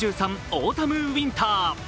オータム・ウィンター。